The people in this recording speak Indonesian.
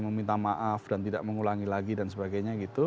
meminta maaf dan tidak mengulangi lagi dan sebagainya gitu